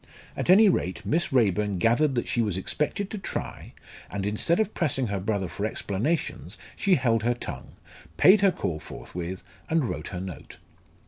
At any rate Miss Raeburn gathered that she was expected to try, and instead of pressing her brother for explanations she held her tongue, paid her call forthwith, and wrote her note.